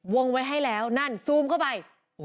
วงไว้ให้แล้วนั่นซูมเข้าไป